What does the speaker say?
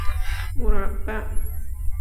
مربع